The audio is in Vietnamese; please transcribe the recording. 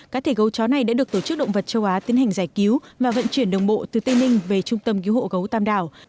cá thể gấu chó này đã được tổ chức động vật châu á tiến hành giải cứu và vận chuyển đường bộ từ tây ninh về trung tâm cứu hộ gấu tam đảo